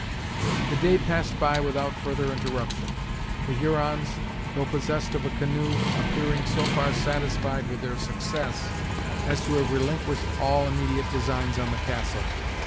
The day passed by without further interruption, the Hurons, though possessed of a canoe, appearing so far satisfied with their success as to have relinquished all immediate designs on the castle.